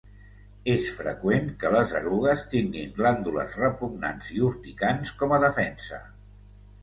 És freqüent que les erugues tinguin glàndules repugnants i urticants com a defensa.